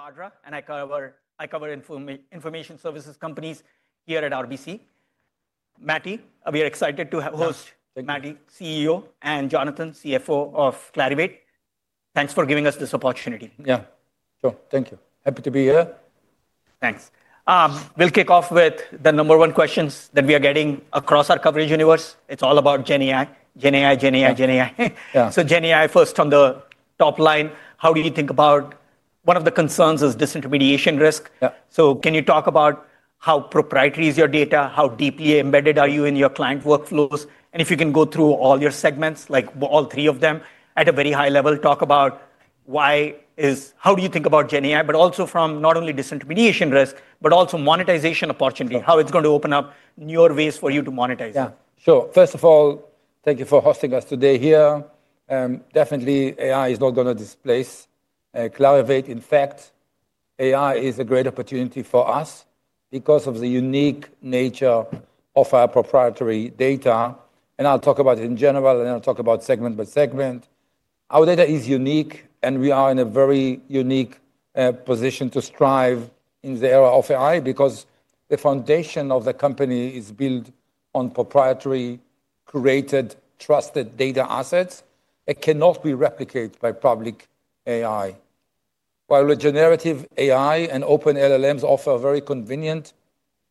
Bhadra, and I cover information services companies here at RBC. Matti, we are excited to host Matti, CEO, and Jonathan, CFO of Clarivate. Thanks for giving us this opportunity. Yeah, sure. Thank you. Happy to be here. Thanks. We'll kick off with the number one questions that we are getting across our coverage universe. It's all about GenAI, GenAI, GenAI, GenAI. GenAI first, from the top line, how do you think about one of the concerns is disintermediation risk? Can you talk about how proprietary is your data? How deeply embedded are you in your client workflows? If you can go through all your segments, like all three of them, at a very high level, talk about why is how do you think about GenAI, but also from not only disintermediation risk, but also monetization opportunity, how it's going to open up newer ways for you to monetize it. Yeah, sure. First of all, thank you for hosting us today here. Definitely, AI is not going to displace Clarivate. In fact, AI is a great opportunity for us because of the unique nature of our proprietary data. I will talk about it in general, and I will talk about segment by segment. Our data is unique, and we are in a very unique position to strive in the era of AI because the foundation of the company is built on proprietary, created, trusted data assets that cannot be replicated by public AI. While generative AI and open LLMs are very convenient,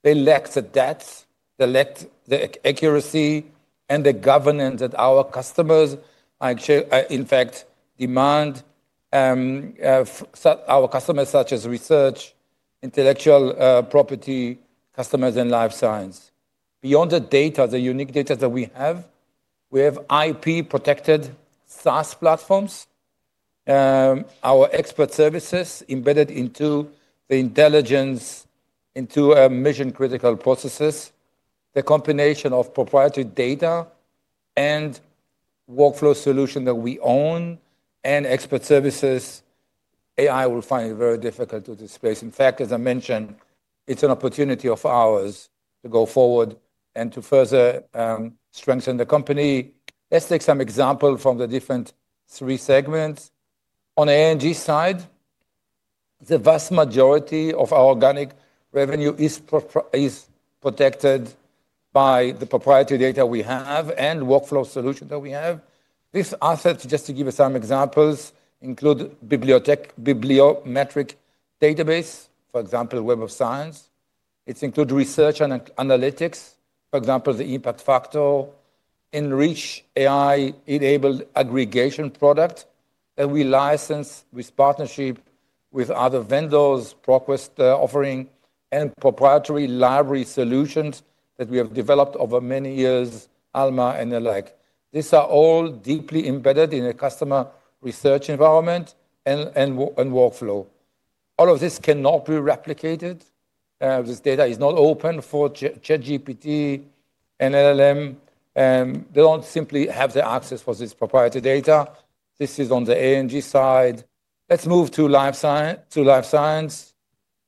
they lack the depth, the accuracy, and the governance that our customers actually, in fact, demand from our customers, such as research, intellectual property, customers, and life science. Beyond the data, the unique data that we have, we have IP-protected SaaS platforms, our expert services embedded into the intelligence, into mission-critical processes, the combination of proprietary data and workflow solutions that we own, and expert services. AI will find it very difficult to displace. In fact, as I mentioned, it's an opportunity of ours to go forward and to further strengthen the company. Let's take some examples from the different three segments. On the ANG side, the vast majority of our organic revenue is protected by the proprietary data we have and workflow solutions that we have. These assets, just to give you some examples, include a bibliometric database, for example, Web of Science. It includes research and analytics, for example, the impact factor, Enrich AI-enabled aggregation product that we license with partnership with other vendors, ProQuest offering, and proprietary library solutions that we have developed over many years, ALMA, and the like. These are all deeply embedded in a customer research environment and workflow. All of this cannot be replicated. This data is not open for ChatGPT and LLM. They do not simply have the access for this proprietary data. This is on the ANG side. Let's move to life science.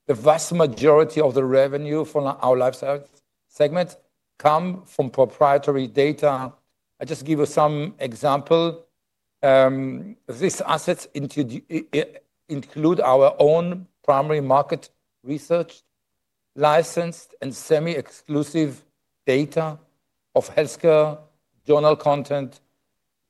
The vast majority of the revenue from our life science segment comes from proprietary data. I'll just give you some examples. These assets include our own primary market research, licensed and semi-exclusive data of healthcare, journal content,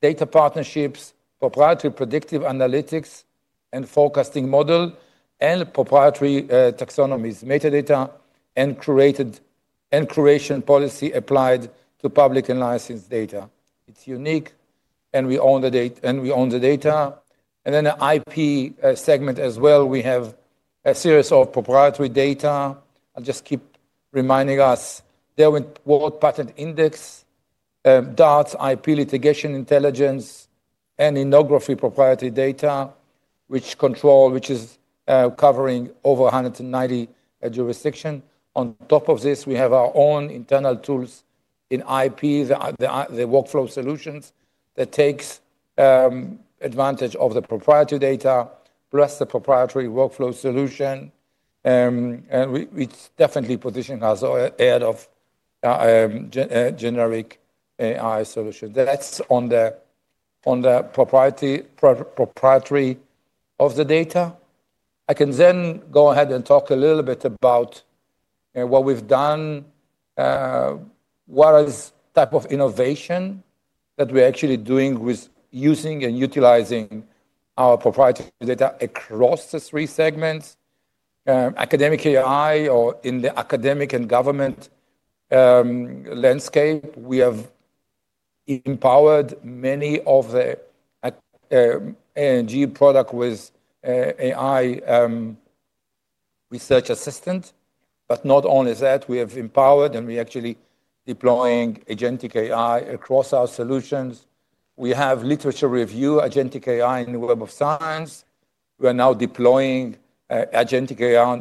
data partnerships, proprietary predictive analytics and forecasting model, and proprietary taxonomies, metadata, and creation policy applied to public and licensed data. It's unique, and we own the data. In the IP segment as well, we have a series of proprietary data. I'll just keep reminding us. There with World Patent Index, DARTS IP, litigation intelligence, and ethnography proprietary data, which is covering over 190 jurisdictions. On top of this, we have our own internal tools in IP, the workflow solutions that take advantage of the proprietary data, plus the proprietary workflow solution. We definitely position ourselves ahead of generic AI solutions. That's on the proprietary of the data. I can then go ahead and talk a little bit about what we've done, what type of innovation that we're actually doing with using and utilizing our proprietary data across the three segments. Academic AI, or in the academic and government landscape, we have empowered many of the ANG products with AI research assistance. Not only that, we have empowered and we are actually deploying agentic AI across our solutions. We have literature review, agentic AI in the Web of Science. We are now deploying agentic AI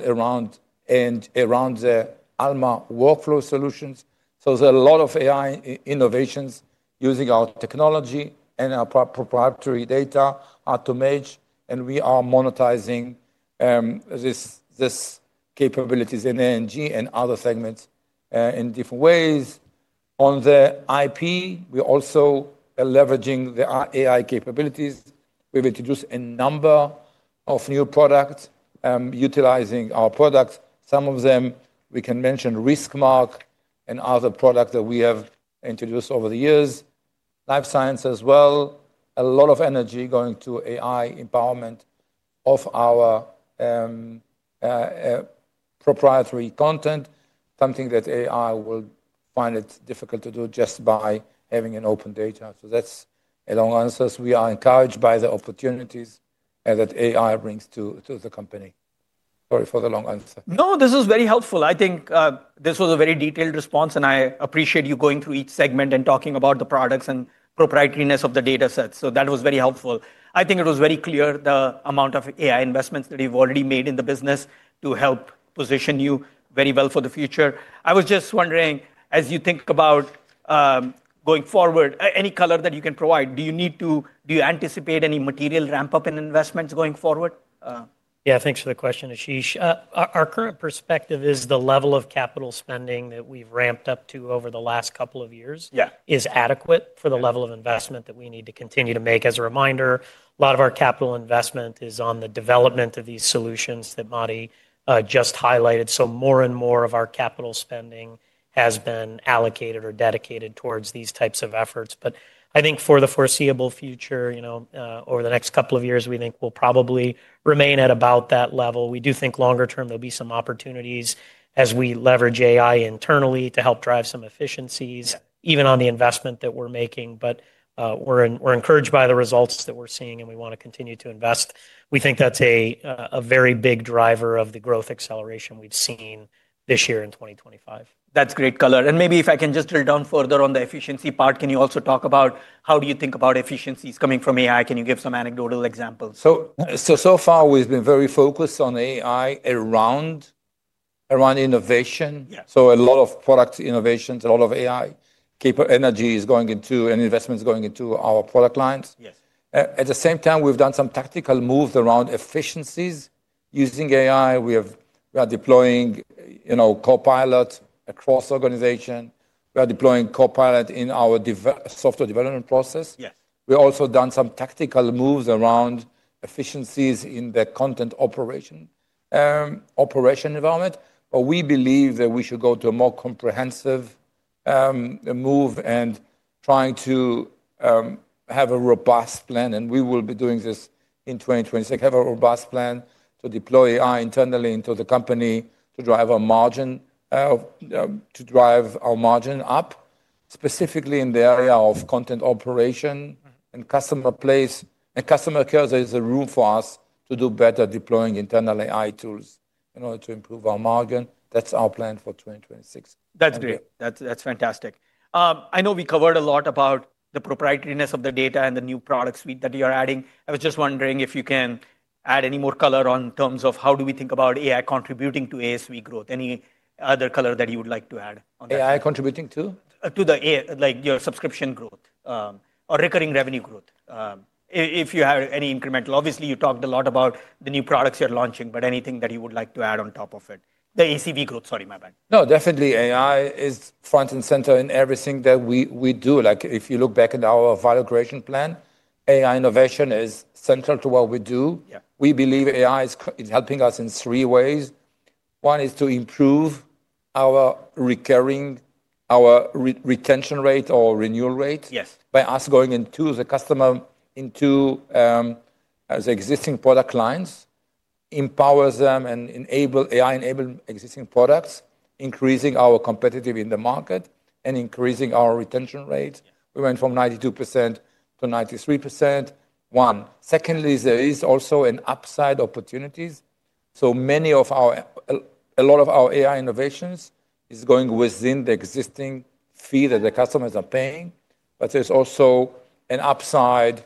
around the ALMA workflow solutions. There is a lot of AI innovations using our technology and our proprietary data to match. We are monetizing these capabilities in ANG and other segments in different ways. On the IP, we are also leveraging the AI capabilities. We have introduced a number of new products utilizing our products. Some of them we can mention, RiskMark and other products that we have introduced over the years. Life science as well. A lot of energy going to AI empowerment of our proprietary content, something that AI will find difficult to do just by having an open data. That is a long answer. We are encouraged by the opportunities that AI brings to the company. Sorry for the long answer. No, this was very helpful. I think this was a very detailed response, and I appreciate you going through each segment and talking about the products and proprietariness of the datasets. That was very helpful. I think it was very clear the amount of AI investments that you've already made in the business to help position you very well for the future. I was just wondering, as you think about going forward, any color that you can provide, do you need to, do you anticipate any material ramp-up in investments going forward? Yeah, thanks for the question, Arnish. Our current perspective is the level of capital spending that we've ramped up to over the last couple of years is adequate for the level of investment that we need to continue to make. As a reminder, a lot of our capital investment is on the development of these solutions that Matti just highlighted. More and more of our capital spending has been allocated or dedicated towards these types of efforts. I think for the foreseeable future, over the next couple of years, we think we'll probably remain at about that level. We do think longer term there'll be some opportunities as we leverage AI internally to help drive some efficiencies, even on the investment that we're making. We're encouraged by the results that we're seeing, and we want to continue to invest. We think that's a very big driver of the growth acceleration we've seen this year and in 2025. That's great color. Maybe if I can just drill down further on the efficiency part, can you also talk about how do you think about efficiencies coming from AI? Can you give some anecdotal examples? So far, we've been very focused on AI around innovation. A lot of product innovations, a lot of AI capability energy is going into and investment is going into our product lines. At the same time, we've done some tactical moves around efficiencies using AI. We are deploying Copilot across organizations. We are deploying Copilot in our software development process. We've also done some tactical moves around efficiencies in the content operation development. We believe that we should go to a more comprehensive move and try to have a robust plan. We will be doing this in 2026. Have a robust plan to deploy AI internally into the company to drive our margin, to drive our margin up, specifically in the area of content operation and customer place. Customer care is a room for us to do better deploying internal AI tools in order to improve our margin. That's our plan for 2026. That's great. That's fantastic. I know we covered a lot about the proprietariness of the data and the new products that you're adding. I was just wondering if you can add any more color on terms of how do we think about AI contributing to ASV growth? Any other color that you would like to add? AI contributing to? To your subscription growth or recurring revenue growth, if you have any incremental. Obviously, you talked a lot about the new products you're launching, but anything that you would like to add on top of it? The ACV growth, sorry, my bad. No, definitely AI is front and center in everything that we do. If you look back at our value creation plan, AI innovation is central to what we do. We believe AI is helping us in three ways. One is to improve our recurring, our retention rate or renewal rate by us going into the customer into the existing product lines, empowers them and enables AI-enabled existing products, increasing our competitiveness in the market and increasing our retention rate. We went from 92%-93%. One. Secondly, there is also an upside opportunity. So many of our, a lot of our AI innovations are going within the existing fee that the customers are paying. But there's also an upside,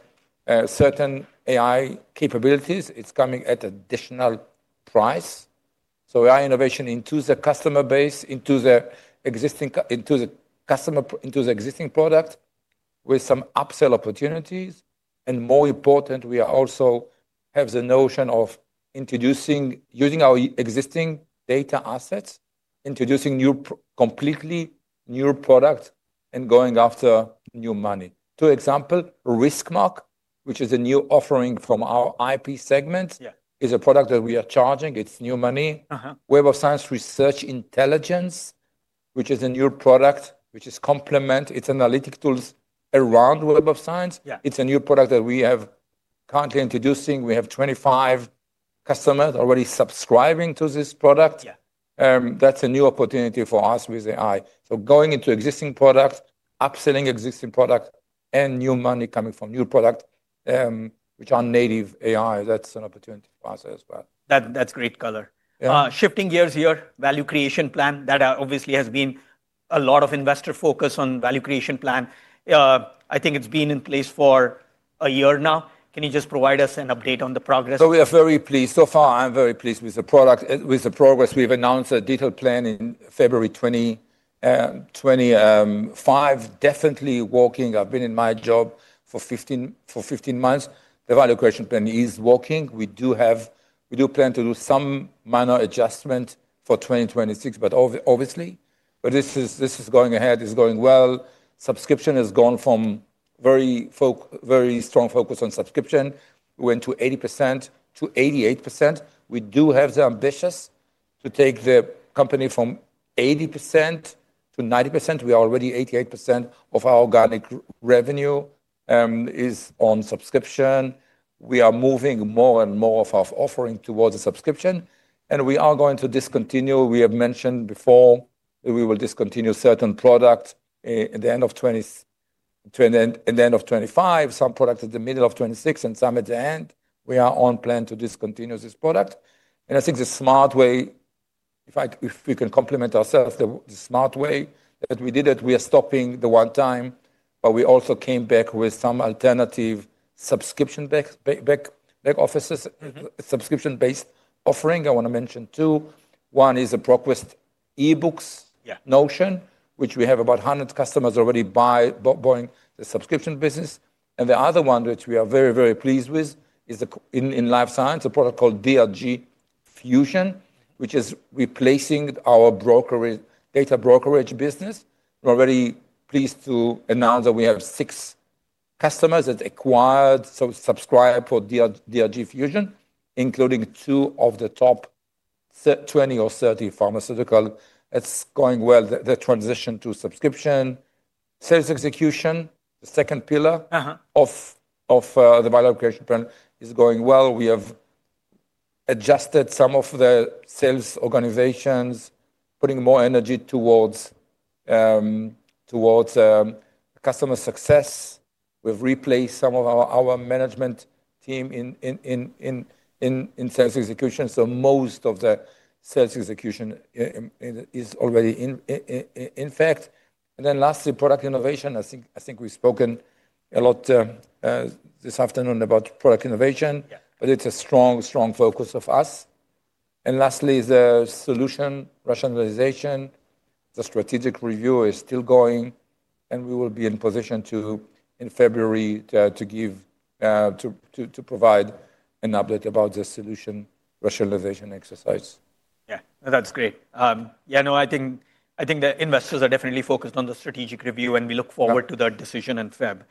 certain AI capabilities are coming at an additional price. So AI innovation into the customer base, into the existing customer, into the existing product with some upsell opportunities. More important, we also have the notion of introducing, using our existing data assets, introducing completely new products and going after new money. Two examples, RiskMark, which is a new offering from our IP segment, is a product that we are charging. It's new money. Web of Science Research Intelligence, which is a new product which is complementing its analytic tools around Web of Science. It's a new product that we have currently introducing. We have 25 customers already subscribing to this product. That's a new opportunity for us with AI. Going into existing products, upselling existing products, and new money coming from new products, which are native AI, that's an opportunity for us as well. That's great color. Shifting gears here, value creation plan. That obviously has been a lot of investor focus on value creation plan. I think it's been in place for a year now. Can you just provide us an update on the progress? We are very pleased. So far, I'm very pleased with the progress. We've announced a detailed plan in February 2025. Definitely working. I've been in my job for 15 months. The value creation plan is working. We do plan to do some minor adjustment for 2026, obviously. This is going ahead. It's going well. Subscription has gone from very strong focus on subscription. We went to 80%-88%. We do have the ambition to take the company from 80%-90%. We are already 88% of our organic revenue is on subscription. We are moving more and more of our offering towards the subscription. We are going to discontinue. We have mentioned before that we will discontinue certain products at the end of 2025, some products at the middle of 2026, and some at the end. We are on plan to discontinue this product. I think the smart way, if we can complement ourselves, the smart way that we did it, we are stopping the one time, but we also came back with some alternative subscription-based offerings. I want to mention two. One is the ProQuest eBooks Notion, which we have about 100 customers already buying the subscription business. The other one that we are very, very pleased with is in life science, a product called DRG Fusion, which is replacing our data brokerage business. We're already pleased to announce that we have six customers that acquired, subscribed for DRG Fusion, including two of the top 20 or 30 pharmaceuticals. It's going well. The transition to subscription, sales execution, the second pillar of the value creation plan is going well. We have adjusted some of the sales organizations, putting more energy towards customer success. We've replaced some of our management team in sales execution. Most of the sales execution is already in effect. Lastly, product innovation. I think we've spoken a lot this afternoon about product innovation, but it's a strong, strong focus of us. Lastly, the solution rationalization, the strategic review is still going, and we will be in position in February to provide an update about the solution rationalization exercise. Yeah, that's great. Yeah, no, I think the investors are definitely focused on the strategic review, and we look forward to that decision in February.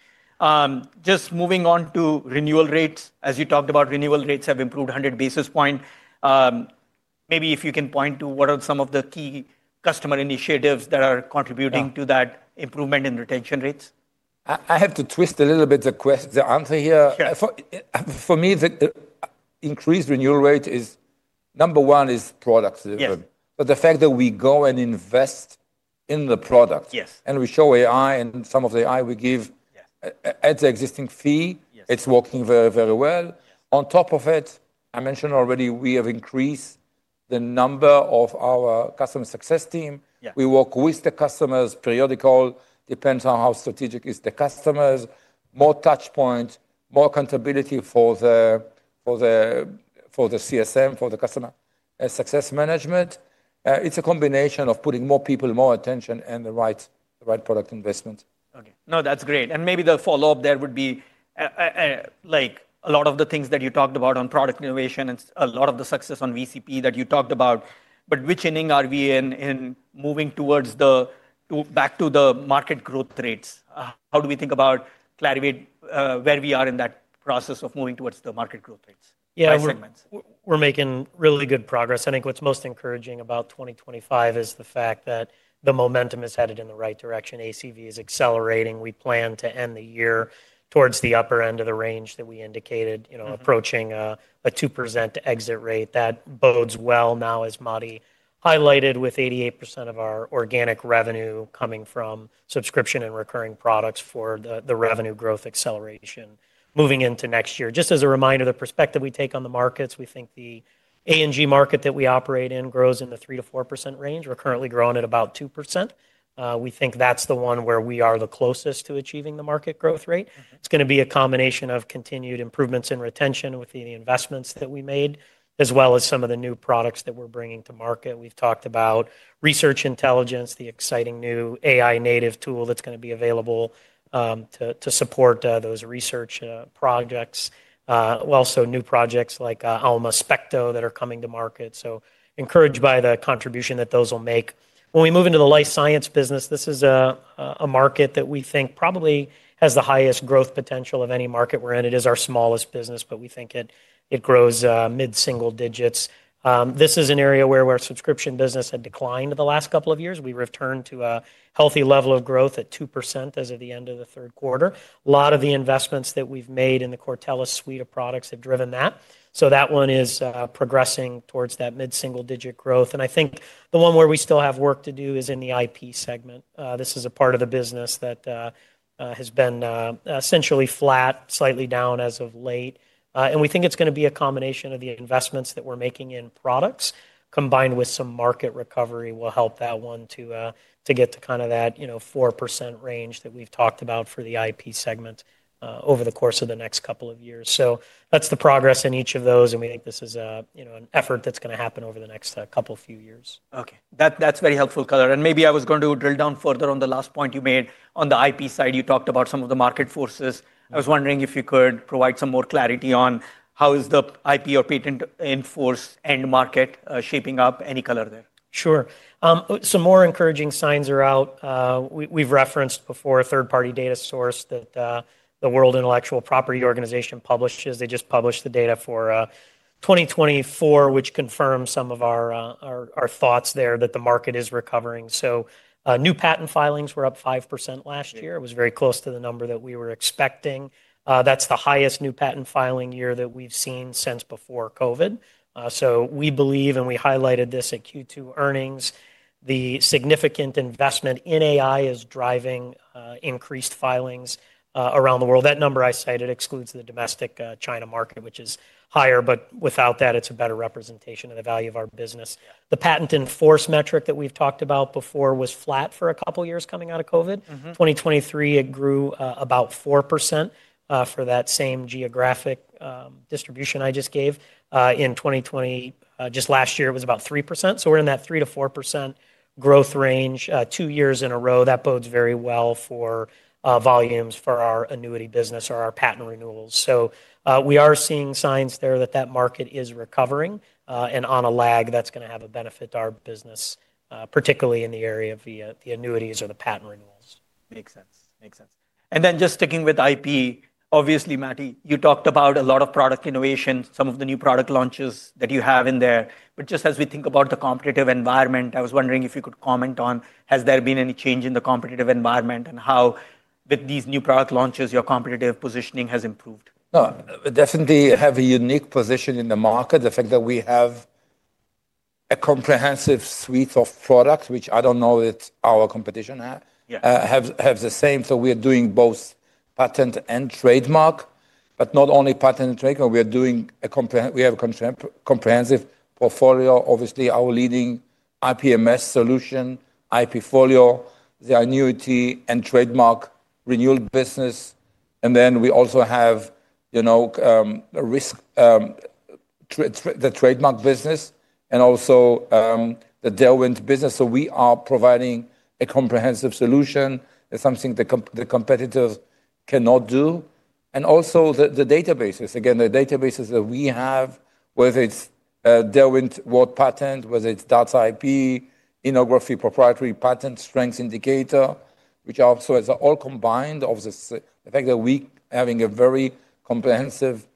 Just moving on to renewal rates. As you talked about, renewal rates have improved 100 basis points. Maybe if you can point to what are some of the key customer initiatives that are contributing to that improvement in retention rates. I have to twist a little bit the answer here. For me, the increased renewal rate is number one is products. The fact that we go and invest in the product and we show AI and some of the AI we give at the existing fee, it's working very, very well. On top of it, I mentioned already we have increased the number of our customer success team. We work with the customers periodically. Depends on how strategic are the customers. More touchpoints, more accountability for the CSM, for the customer success management. It's a combination of putting more people, more attention, and the right product investment. Okay. No, that's great. Maybe the follow-up there would be a lot of the things that you talked about on product innovation and a lot of the success on VCP that you talked about. Which inning are we in moving towards back to the market growth rates? How do we think about Clarivate where we are in that process of moving towards the market growth rates? Yeah, we're making really good progress. I think what's most encouraging about 2025 is the fact that the momentum is headed in the right direction. ACV is accelerating. We plan to end the year towards the upper end of the range that we indicated, approaching a 2% exit rate. That bodes well now, as Matti highlighted, with 88% of our organic revenue coming from subscription and recurring products for the revenue growth acceleration moving into next year. Just as a reminder, the perspective we take on the markets, we think the ANG market that we operate in grows in the 3%-4% range. We're currently growing at about 2%. We think that's the one where we are the closest to achieving the market growth rate. It's going to be a combination of continued improvements in retention with the investments that we made, as well as some of the new products that we're bringing to market. We've talked about research intelligence, the exciting new AI-native tool that's going to be available to support those research projects. Also, new projects like Alma Specto that are coming to market. Encouraged by the contribution that those will make. When we move into the life science business, this is a market that we think probably has the highest growth potential of any market we're in. It is our smallest business, but we think it grows mid-single digits. This is an area where our subscription business had declined the last couple of years. We returned to a healthy level of growth at 2% as of the end of the third quarter. A lot of the investments that we've made in the Cortellis suite of products have driven that. That one is progressing towards that mid-single digit growth. I think the one where we still have work to do is in the IP segment. This is a part of the business that has been essentially flat, slightly down as of late. We think it's going to be a combination of the investments that we're making in products combined with some market recovery that will help that one to get to kind of that 4% range that we've talked about for the IP segment over the course of the next couple of years. That's the progress in each of those. We think this is an effort that's going to happen over the next couple of few years. Okay. That's very helpful color. Maybe I was going to drill down further on the last point you made on the IP side. You talked about some of the market forces. I was wondering if you could provide some more clarity on how is the IP or patent enforced end market shaping up? Any color there? Sure. Some more encouraging signs are out. We've referenced before a third-party data source that the World Intellectual Property Organization publishes. They just published the data for 2024, which confirms some of our thoughts there that the market is recovering. New patent filings were up 5% last year. It was very close to the number that we were expecting. That's the highest new patent filing year that we've seen since before COVID. We believe, and we highlighted this at Q2 earnings, the significant investment in AI is driving increased filings around the world. That number I cited excludes the domestic China market, which is higher, but without that, it's a better representation of the value of our business. The patent enforced metric that we've talked about before was flat for a couple of years coming out of COVID. 2023, it grew about 4% for that same geographic distribution I just gave. In 2022, just last year, it was about 3%. We are in that 3%-4% growth range two years in a row. That bodes very well for volumes for our annuity business or our patent renewals. We are seeing signs there that that market is recovering. On a lag, that is going to have a benefit to our business, particularly in the area of the annuities or the patent renewals. Makes sense. Makes sense. Just sticking with IP, obviously, Matti, you talked about a lot of product innovation, some of the new product launches that you have in there. Just as we think about the competitive environment, I was wondering if you could comment on, has there been any change in the competitive environment and how with these new product launches, your competitive positioning has improved? Definitely have a unique position in the market. The fact that we have a comprehensive suite of products, which I don't know if our competition have the same. We are doing both patent and trademark, but not only patent and trademark. We have a comprehensive portfolio. Obviously, our leading IPMS solution, IPfolio, the annuity and trademark renewal business. We also have the trademark business and also the Derwent business. We are providing a comprehensive solution. It's something the competitors cannot do. Also the databases. Again, the databases that we have, whether it's Derwent World Patent, whether it's DARTS IP, Innography Proprietary Patent Strengths Indicator, which also is all combined of the fact that we are having very comprehensive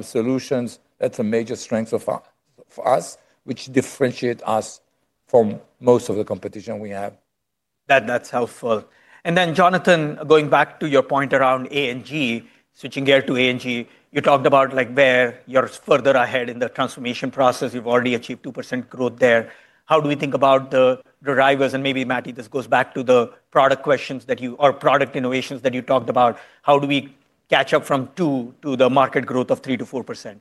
solutions. That's a major strength of us, which differentiates us from most of the competition we have. That's helpful. Jonathan, going back to your point around ANG, switching gear to ANG, you talked about where you're further ahead in the transformation process. You've already achieved 2% growth there. How do we think about the drivers? Maybe, Matti, this goes back to the product questions or product innovations that you talked about. How do we catch up from 2% to the market growth of 3%-4%?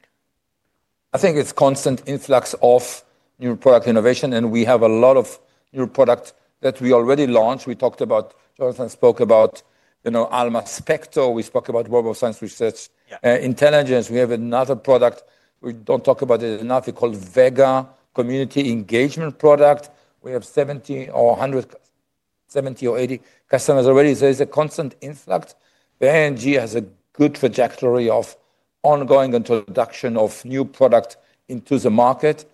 I think it's constant influx of new product innovation. We have a lot of new products that we already launched. We talked about, Jonathan spoke about Alma Specto. We spoke about RoboScience Research Intelligence. We have another product. We don't talk about it enough. We call Vega Community Engagement product. We have 70-80 customers already. It's a constant influx. The ANG has a good trajectory of ongoing introduction of new products into the market.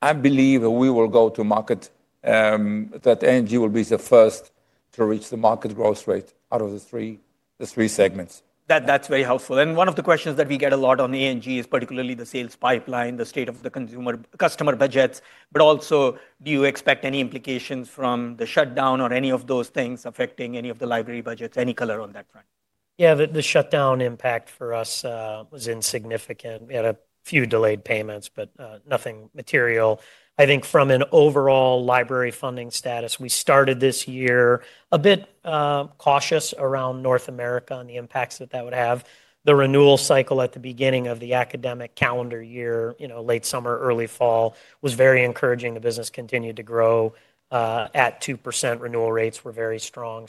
I believe we will go to market that ANG will be the first to reach the market growth rate out of the three segments. That's very helpful. One of the questions that we get a lot on ANG is particularly the sales pipeline, the state of the customer budgets. Also, do you expect any implications from the shutdown or any of those things affecting any of the library budgets? Any color on that front? Yeah, the shutdown impact for us was insignificant. We had a few delayed payments, but nothing material. I think from an overall library funding status, we started this year a bit cautious around North America and the impacts that that would have. The renewal cycle at the beginning of the academic calendar year, late summer, early fall, was very encouraging. The business continued to grow at 2%. Renewal rates were very strong.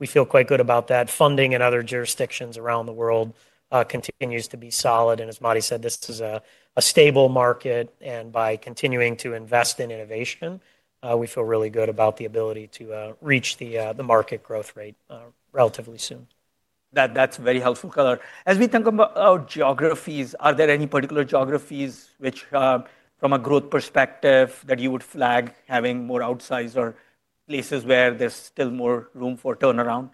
We feel quite good about that. Funding in other jurisdictions around the world continues to be solid. As Matti said, this is a stable market. By continuing to invest in innovation, we feel really good about the ability to reach the market growth rate relatively soon. That's very helpful color. As we think about geographies, are there any particular geographies from a growth perspective that you would flag having more outsize or places where there's still more room for turnaround?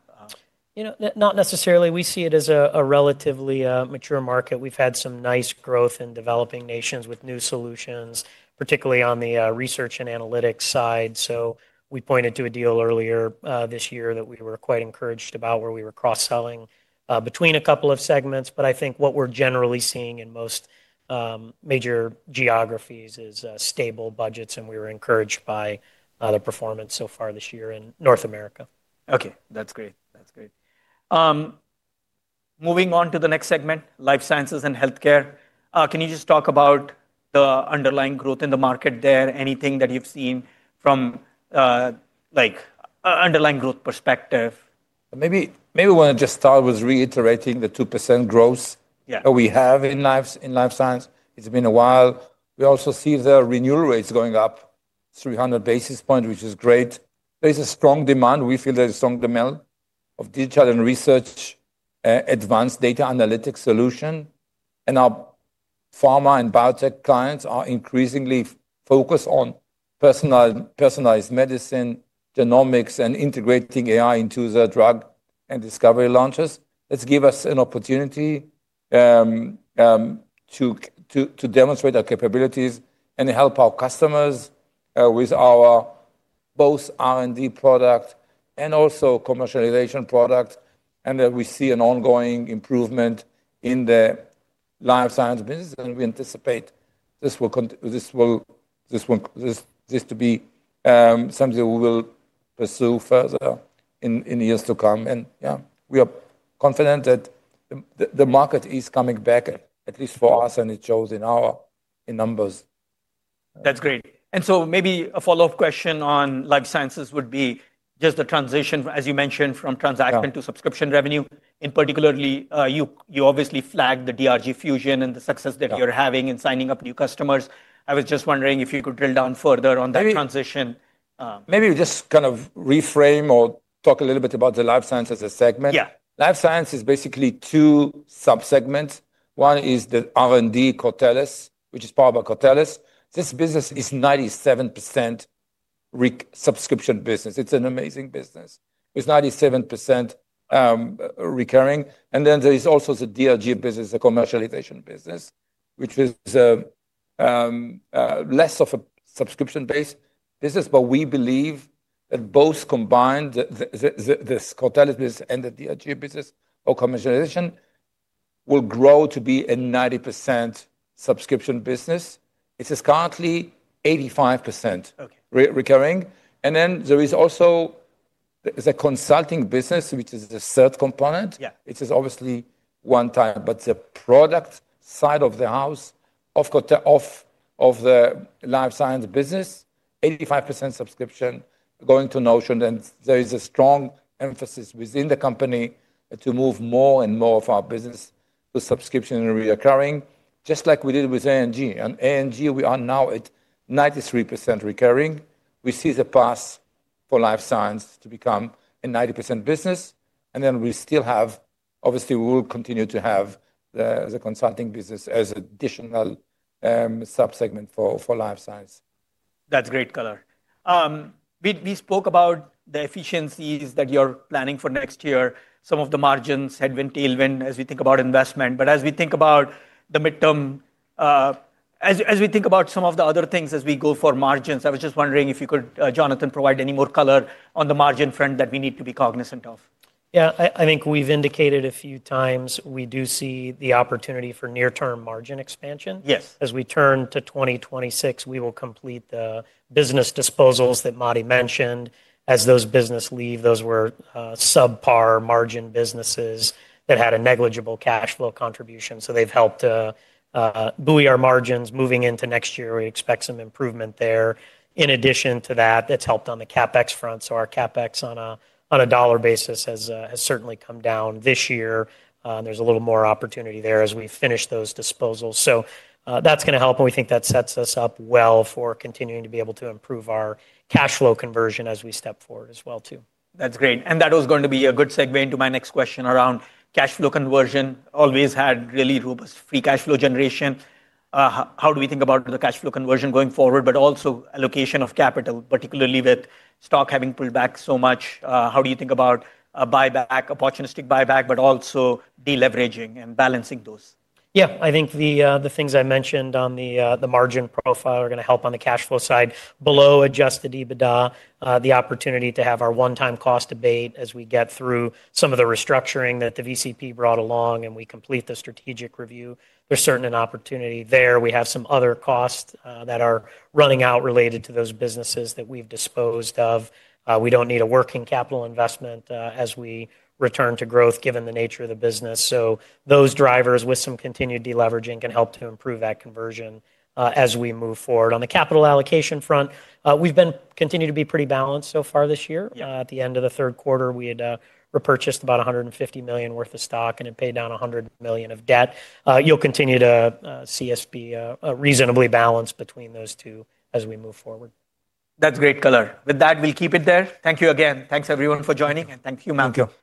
Not necessarily. We see it as a relatively mature market. We've had some nice growth in developing nations with new solutions, particularly on the research and analytics side. We pointed to a deal earlier this year that we were quite encouraged about where we were cross-selling between a couple of segments. I think what we're generally seeing in most major geographies is stable budgets. We were encouraged by the performance so far this year in North America. Okay. That's great. That's great. Moving on to the next segment, life sciences and healthcare. Can you just talk about the underlying growth in the market there? Anything that you've seen from an underlying growth perspective? Maybe we want to just start with reiterating the 2% growth that we have in life science. It's been a while. We also see the renewal rates going up 300 basis points, which is great. There is a strong demand. We feel there is a strong demand of digital and research advanced data analytics solution. Our pharma and biotech clients are increasingly focused on personalized medicine, genomics, and integrating AI into the drug and discovery launches. That gives us an opportunity to demonstrate our capabilities and help our customers with our both R&D product and also commercialization product. We see an ongoing improvement in the life science business. We anticipate this will be something we will pursue further in the years to come. We are confident that the market is coming back, at least for us, and it shows in our numbers. That's great. Maybe a follow-up question on life sciences would be just the transition, as you mentioned, from transaction to subscription revenue. Particularly, you obviously flagged the DRG Fusion and the success that you're having in signing up new customers. I was just wondering if you could drill down further on that transition. Maybe we just kind of reframe or talk a little bit about the life sciences as a segment. Life science is basically two subsegments. One is the R&D Cortellis, which is powered by Cortellis. This business is 97% subscription business. It's an amazing business. It's 97% recurring. There is also the DRG business, the commercialization business, which is less of a subscription-based business. We believe that both combined, this Cortellis business and the DRG business or commercialization, will grow to be a 90% subscription business. It is currently 85% recurring. There is also the consulting business, which is the third component. It is obviously one time. The product side of the house of the life science business, 85% subscription going to Notion. There is a strong emphasis within the company to move more and more of our business to subscription and recurring, just like we did with ANG. ANG, we are now at 93% recurring. We see the path for life science to become a 90% business. We still have, obviously, we will continue to have the consulting business as an additional subsegment for life science. That's great color. We spoke about the efficiencies that you're planning for next year. Some of the margins headwind, tailwind as we think about investment. As we think about the midterm, as we think about some of the other things as we go for margins, I was just wondering if you could, Jonathan, provide any more color on the margin front that we need to be cognizant of. Yeah, I think we've indicated a few times we do see the opportunity for near-term margin expansion. As we turn to 2026, we will complete the business disposals that Matti mentioned. As those businesses leave, those were subpar margin businesses that had a negligible cash flow contribution. They have helped buoy our margins moving into next year. We expect some improvement there. In addition to that, that has helped on the CapEx front. Our CapEx on a dollar basis has certainly come down this year. There is a little more opportunity there as we finish those disposals. That is going to help. We think that sets us up well for continuing to be able to improve our cash flow conversion as we step forward as well too. That's great. That was going to be a good segue into my next question around cash flow conversion. Always had really robust free cash flow generation. How do we think about the cash flow conversion going forward, but also allocation of capital, particularly with stock having pulled back so much? How do you think about buyback, opportunistic buyback, but also deleveraging and balancing those? Yeah, I think the things I mentioned on the margin profile are going to help on the cash flow side. Below adjusted EBITDA, the opportunity to have our one-time cost debate as we get through some of the restructuring that the VCP brought along and we complete the strategic review. There's certainly an opportunity there. We have some other costs that are running out related to those businesses that we've disposed of. We don't need a working capital investment as we return to growth given the nature of the business. Those drivers with some continued deleveraging can help to improve that conversion as we move forward. On the capital allocation front, we've continued to be pretty balanced so far this year. At the end of the third quarter, we had repurchased about $150 million worth of stock and had paid down $100 million of debt. You'll continue to see us be reasonably balanced between those two as we move forward. That's great color. With that, we'll keep it there. Thank you again. Thanks, everyone, for joining. Thank you, Matti. Thank you.